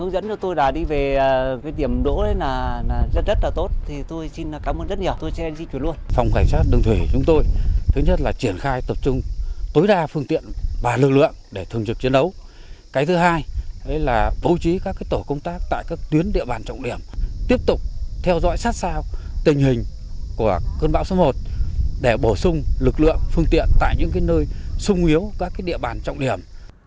điểm tốt nhất là triển khai tập trung tối đa phương tiện và lực lượng để thường trực chiến đấu cái thứ hai là bố trí các tổ công tác tại các tuyến địa bàn trọng điểm tiếp tục theo dõi sát sao tình hình của cơn bão số một để bổ sung lực lượng phương tiện tại những nơi sung nguyếu các địa bàn trọng điểm